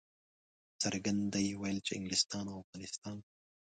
په څرګنده یې ویل چې انګلستان او افغانستان.